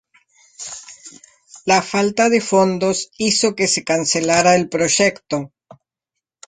La falta de fondos hizo que se cancelara el proyecto.